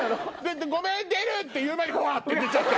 ごめん出る！って言う前にばって出ちゃった